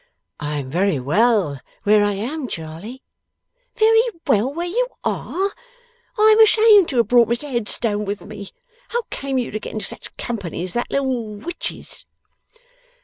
'I am very well where I am, Charley.' 'Very well where you are! I am ashamed to have brought Mr Headstone with me. How came you to get into such company as that little witch's?